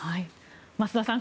増田さん